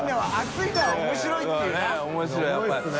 いや面白いですね。